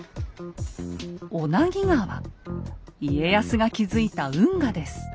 家康が築いた運河です。